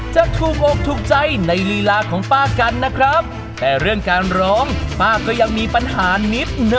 จะขั้นแนนข้ามรุ่น